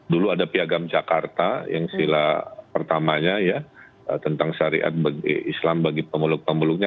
dulu ada piagam jakarta yang sila pertamanya ya tentang syariat islam bagi pemeluk pemeluknya